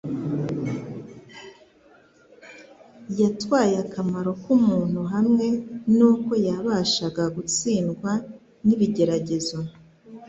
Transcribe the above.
Yatwaye akamero k'umuntu, hamwe n'uko yabashaga gutsindwa n'ibigeragezo